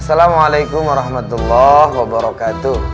assalamualaikum warahmatullahi wabarakatuh